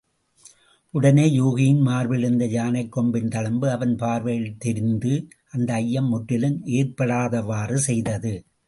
உடனே யூகியின் மார்பிலிருந்த யானைக் கொம்பின் தழும்பு அவன் பார்வையில் தெரிந்து, அந்த ஐயம் முற்றிலும் ஏற்படாதவாறு செய்தது.